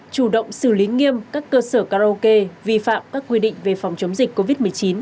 chủ động xử lý nghiêm các cơ sở karaoke vi phạm các quy định về phòng chống dịch covid một mươi chín